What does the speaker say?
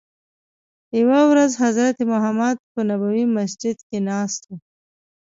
یوه ورځ حضرت محمد په نبوي مسجد کې ناست وو.